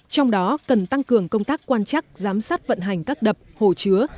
trong đó cần tăng cường công tác quan chắc giám sát vận hành các đập hồ chứa